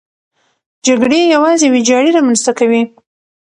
جګړې یوازې ویجاړي رامنځته کوي.